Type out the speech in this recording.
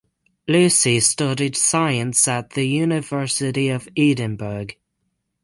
Lucey studied science at the University of Edinburgh.